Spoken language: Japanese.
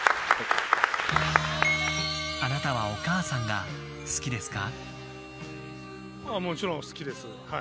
あなたはお母さんが好きですか？